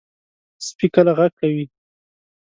سپي کله غږ کوي.